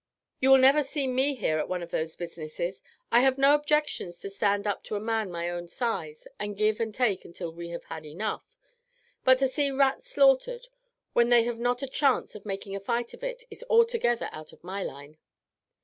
"You will never see me here at one of those businesses. I have no objection to stand up to a man my own size and give and take until we have had enough, but to see rats slaughtered when they have not a chance of making a fight of it is altogether out of my line."